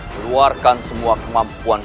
keluarkan semua kemampuan